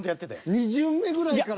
２巡目ぐらいから。